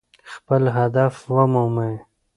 خپل هدف ومومئ.